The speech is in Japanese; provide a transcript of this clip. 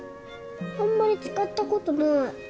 あんまり使ったことない。